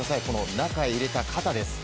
中へ入れた肩です。